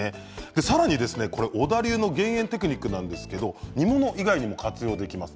さらに小田流の減塩テクニックなんですけど煮物以外にも活用できます。